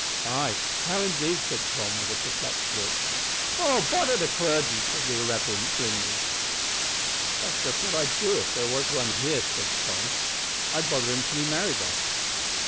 "Ay, how indeed?" said Tom, with a perplexed look. "Oh, bother the clergy!" cried the irreverent Flinders. "That's just what I'd do if there was one here," responded Tom; "I'd bother him till he married us."